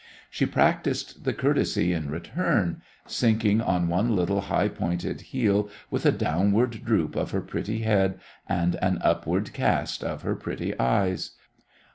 She practised the courtesy in return, sinking on one little high pointed heel with a downward droop of her pretty head and an upward cast of her pretty eyes.